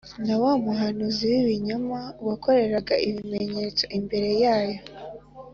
na wa muhanuzi w’ibinyoma wakoreraga ibimenyetso imbere yayo,